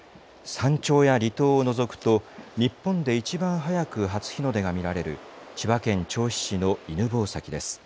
山頂や離島を除くと日本でいちばん早く初日の出が見るられる千葉県銚子市の犬吠埼です。